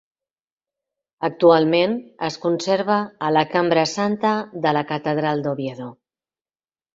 Actualment, es conserva a la Cambra Santa de la Catedral d'Oviedo.